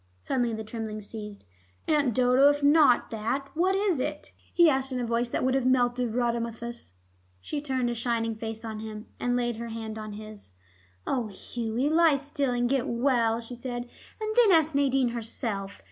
Suddenly the trembling ceased. "Aunt Dodo, if it is not that, what is it?" he asked, in a voice that would have melted Rhadamanthus. She turned a shining face on him, and laid her hand on his. "Oh, Hughie, lie still and get well," she said. "And then ask Nadine herself.